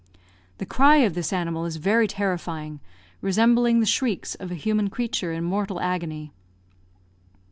The cry of this animal is very terrifying, resembling the shrieks of a human creature in mortal agony.